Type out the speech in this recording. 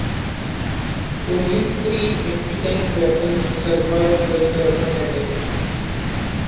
Only three antitank weapons survived the German attack.